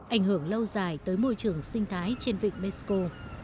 ảnh hưởng lâu dài tới môi trường sinh thái trên vịnh mexico